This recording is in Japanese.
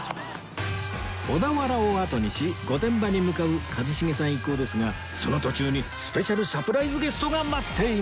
小田原をあとにし御殿場に向かう一茂さん一行ですがその途中にスペシャルサプライズゲストが待っています